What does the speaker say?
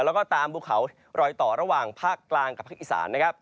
แล้วก็ตามภูเขารอยต่อระหว่างภาคกลางกับภาคอีสานนะครับ